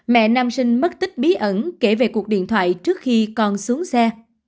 mẹ nam sinh mất tích bí ẩn kể về cuộc điện thoại trước khi con xuống xe